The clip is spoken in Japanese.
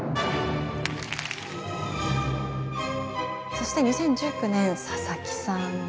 そして２０１９年佐々木さん。